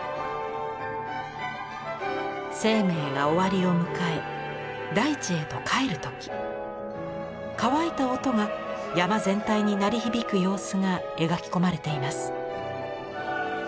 生命が終わりを迎え大地へと還る時乾いた音が山全体に鳴りひびく様子が描き込まれています。